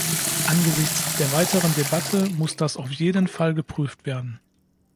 Angesichts der weiteren Debatte muss das auf jeden Fall geprüft werden.